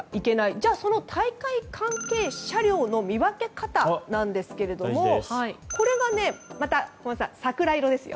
じゃあ、大会関係車両の見分け方なんですけどこれが、また小松さん桜色ですよ。